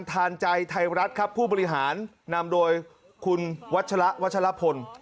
ทานใจไทยรัฐครับผู้บริหารนำโดยคุณวัชละวัชลพล